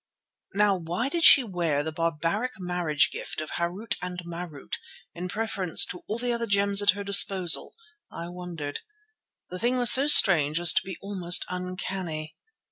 Now why did she wear the barbaric marriage gift of Harût and Marût in preference to all the other gems at her disposal, I wondered. The thing was so strange as to be almost uncanny.